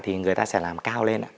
thì người ta sẽ làm cao lên ạ